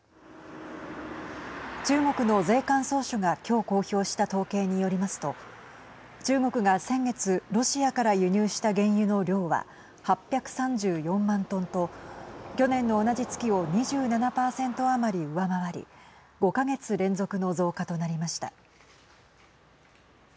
中国の税関総署が今日公表した統計によりますと中国が先月ロシアから輸入した原油の量は８３４万トンと去年の同じ月を２７％余り上回り５か月連続の増加となりました。